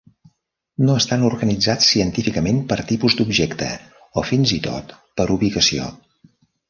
No estan organitzats científicament per tipus d'objecte, o fins i tot per ubicació.